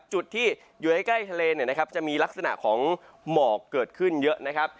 จุดที่อยู่ใกล้ทะเลจะมีลักษณะของหมอกเกิดขึ้นเยอะ